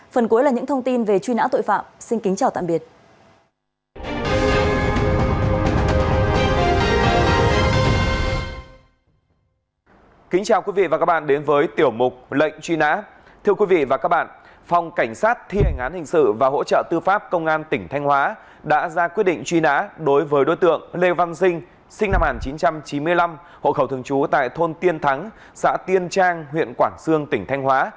trước đó hội khẩu thường trú tại thôn tiên thắng xã tiên trang huyện quảng sương tỉnh thanh hóa